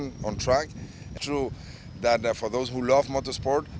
sebenarnya bagi para penonton yang suka motosport